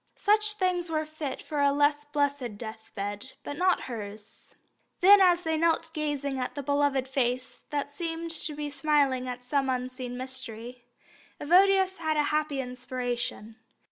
Such things were fit for a less blessed deathbed, but not for hers." Then, as they knelt gazing at the beloved face that seemed to be smiling at some unseen mystery, Evodius had a happy inspiration.